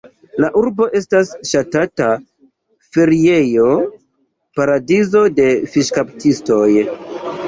La urbo estas ŝatata feriejo, paradizo de fiŝkaptistoj.